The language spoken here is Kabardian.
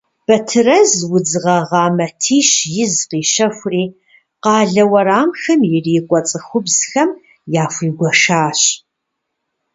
Бэтрэз удз гъэгъа матищ из къищэхури, къалэ уэрамхэм ирикӏуэ цӏыхубзхэм яхуигуэшащ.